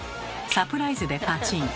サプライズでパチン。